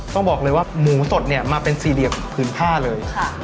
ต้องบอกเลยว่าหมูสดเนี่ยมาเป็นสี่เหลี่ยมผืนผ้าเลย